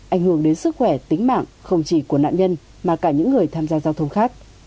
ảnh hưởng đến sức khỏe tính mạng không chỉ của nạn nhân mà cả những người tham gia giao thông khác